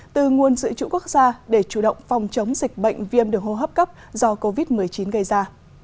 từ nguồn dự trữ quốc gia để chủ động phòng chống dịch bệnh viêm đường hô hấp cấp do covid một mươi chín gây ra